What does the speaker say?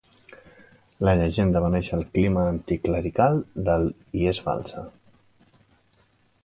La llegenda va néixer al clima anticlerical del i és falsa.